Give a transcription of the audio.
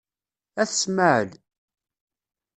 Ayt Smaεel.